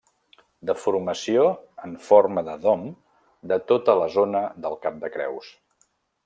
Deformació en forma de dom de tota la zona del cap de Creus.